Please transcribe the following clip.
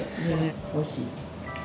おいしい。